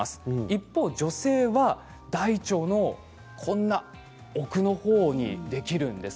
一方、女性は大腸の奥の方にできるんです。